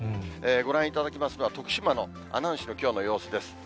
ご覧いただきますのは、徳島の阿南市のきょうの様子です。